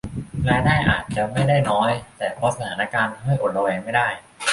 รายได้อาจจะไม่ได้น้อย แต่เพราะสถานการณ์ทำให้อดระแวงไม่ได้